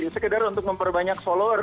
sekedar untuk memperbanyak follower